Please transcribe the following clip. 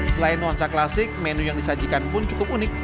selain nuansa klasik menu yang disajikan pun cukup unik